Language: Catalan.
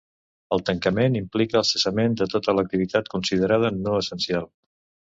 El tancament implica el cessament de tota l’activitat considerada no essencial.